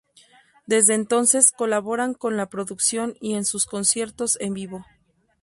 Desde entonces colaboran con la producción y en sus conciertos en vivo.